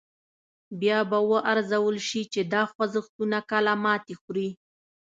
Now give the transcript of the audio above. بیا به و ارزول شي چې دا خوځښتونه کله ماتې خوري.